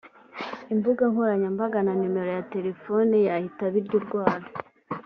imbuga nkoranyambaga na nimero ya Telefone yahitaga abirya urwara